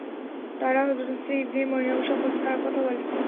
তারা হযরত ঈসা ইবনে মরিয়ম সম্পর্কে খারাপ কথা বলে।